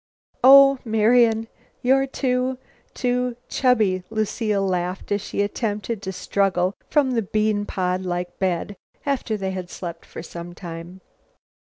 "Oh, Marian, you're too too chubby!" Lucile laughed, as she attempted to struggle from the bean pod like bed, after they had slept for some time.